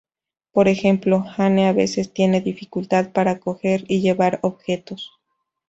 Por ejemplo, Anne a veces tiene dificultad para coger y llevar objetos.